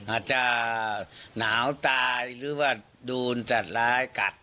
อาจจะหนาวตายหรือว่าโดนสัตว์ร้ายกัด